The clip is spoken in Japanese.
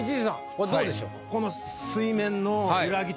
これどうでしょう？